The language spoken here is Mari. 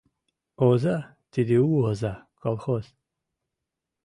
Оза — тиде у оза, колхоз.